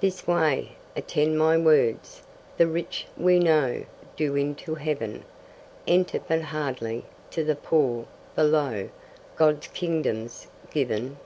This way. Attend my words. The rich, we know, Do into heaven Enter but hardly; to the poor, the low, God's kingdom's given.